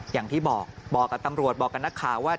อย่างที่บอกบอกกับตำรวจบอกกับนักข่าวว่า